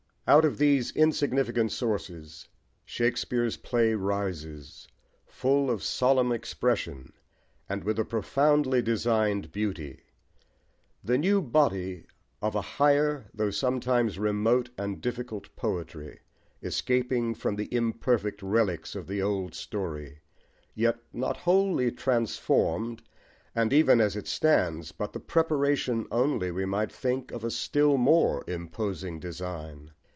Out of these insignificant sources Shakespeare's play rises, full of solemn expression, and with a profoundly designed beauty, the new body of a higher, though sometimes remote and difficult poetry, escaping from the imperfect relics of the old story, yet not wholly transformed, and even as it stands but the preparation only, we might think, of a still more imposing design.